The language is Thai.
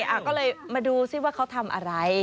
ก็เลยมาดูซิว่าเขาทำอะไร